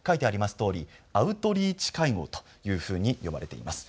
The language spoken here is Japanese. とおりアウトリーチ会合というふうに呼ばれています。